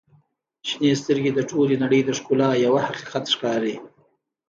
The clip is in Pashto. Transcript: • شنې سترګې د ټولې نړۍ د ښکلا یوه حقیقت ښکاري.